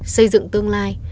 xây dựng tương lai